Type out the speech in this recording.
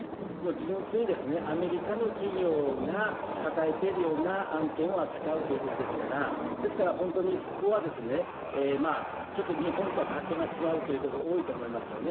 純粋にアメリカの企業が抱えているような案件を扱うということですから、ですから本当にそこはですね、ちょっと日本とは勝手が違うというところが多いと思いますよね。